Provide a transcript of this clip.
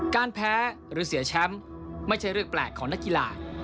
การแพ้หรือเสียแชมป์ไม่ใช่เรื่องแปลกของนักกีฬา